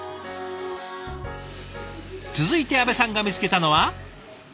続いて阿部さんが見つけたのは。